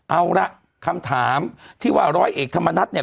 เอาละคำถามที่ว่าร้อยเอกธรรมนัฐเนี่ย